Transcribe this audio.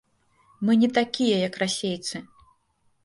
Мы не такія як расейцы!